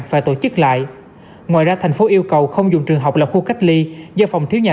và tổ chức lại ngoài ra tp hcm yêu cầu không dùng trường học làm khu cách ly do phòng thiếu nhà